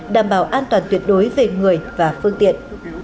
đảm bảo an toàn tuyệt đối về người và phương tiện